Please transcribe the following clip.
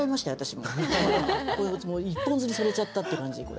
もう一本釣りされちゃったって感じこれ。